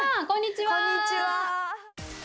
こんにちは！